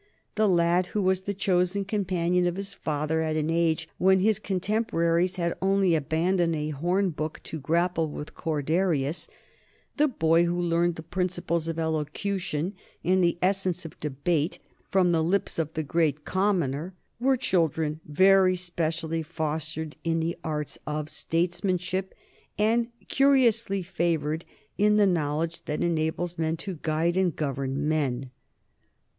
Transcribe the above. The lad who was the chosen companion of his father at an age when his contemporaries had only abandoned a horn book to grapple with Corderius, the boy who learned the principles of elocution and the essence of debate from the lips of the Great Commoner, were children very specially fostered in the arts of statesmanship and curiously favored in the knowledge that enables men to guide and govern men.